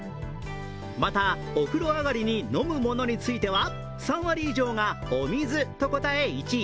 また、お風呂上がりに飲むものについては３割以上がお水と答え、１位。